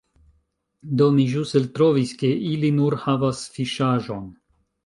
Do, mi ĵus eltrovis, ke ili nur havas fiŝaĵon